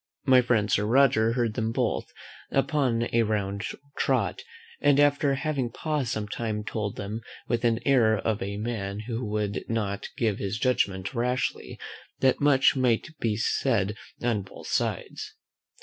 My friend Sir Roger heard them both, upon a round trot; and after having paused some time told them, with the air of a man who would not give his judgment rashly, that much might be said on both sides.